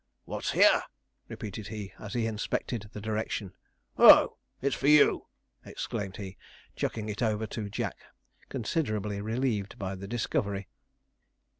'What's here?' repeated he, as he inspected the direction. 'Oh, it's for you!' exclaimed he, chucking it over to Jack, considerably relieved by the discovery.